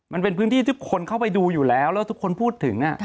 มันเป็นพื้นที่ที่คนเข้าไปดูอยู่แล้วแล้วทุกคนพูดถึง